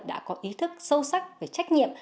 đã có ý thức sâu sắc về trách nhiệm